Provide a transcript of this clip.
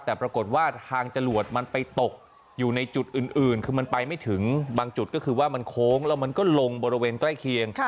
แต่ปรากฏว่าทางจรวดมันไปตกอยู่ในจุดอื่นคือมันไปไม่ถึงบางจุดก็คือว่ามันโค้งแล้วมันก็ลงบริเวณใกล้เคียง